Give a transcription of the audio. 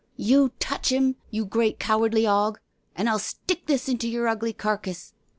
" You touch 'im, you great cowardly hog, an' I'll stick this into yer ugly carcase."